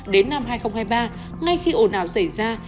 đến năm hai nghìn hai mươi ba ngay khi ổn ảo xảy ra